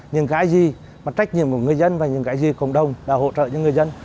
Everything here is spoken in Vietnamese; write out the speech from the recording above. những cái gì mà trách nhiệm của người dân và những cái gì cộng đồng đã hỗ trợ cho người dân